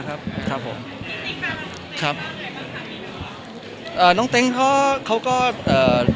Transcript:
คำนี้หมายเป็นตามจากไหนนะครับ